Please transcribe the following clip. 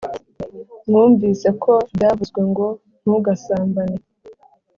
Mwumvise ko byavuzwe ngo ntugasambane